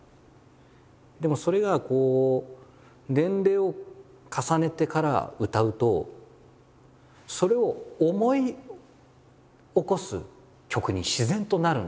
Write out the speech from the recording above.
でもそれがこう年齢を重ねてから歌うとそれを思い起こす曲に自然となるんですよ。